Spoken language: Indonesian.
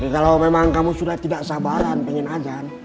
kalau memang kamu sudah tidak sabaran pengen ajan